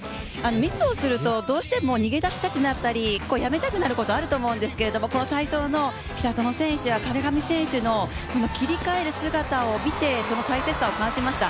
ミスをすると、どうしても逃げ出したくなったり、やめたくなることあると思うんですけど体操の北園選手や川上選手の切り替える姿を見てその大切さを感じました。